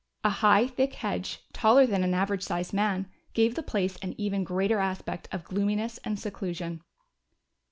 A high, thick hedge, taller than an average sized man, gave the place an even greater aspect of gloominess and seclusion.